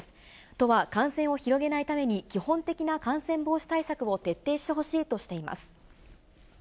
都は感染を広げないために、基本的な感染防止対策を徹底してほしいとしています。